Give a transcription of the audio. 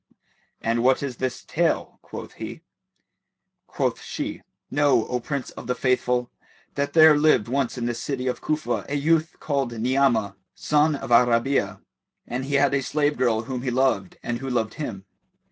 "And what is this tale?" quoth he. Quoth she "Know, O Prince of the Faithful that there lived once in the city of Cufa a youth called Ni'amah, son of Al Rabi'a, and he had a slave girl whom he loved and who loved him.